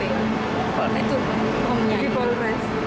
itu di polrestabes